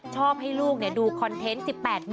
ชอบให้ลูกดูคอนเทนต์๑๘๐